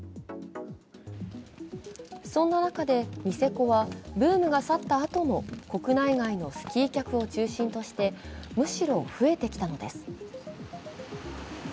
そんな中でニセコは、ブームが去ったあとも、国内外のスキー客を中心としてむしろ増えてきたのです。